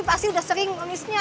pasti udah sering pengemisnya